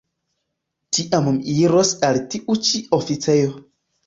Tiam mi iros al tiu ĉi oficejo.